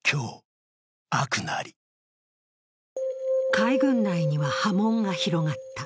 海軍内には波紋が広がった。